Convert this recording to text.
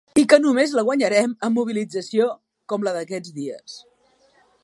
I que només la guanyarem amb mobilització com la d'aquests dies.